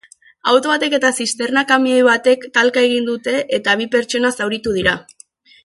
Auto batek eta zisterna-kamioi batek talka egin dute eta bi pertsona zauritu dira.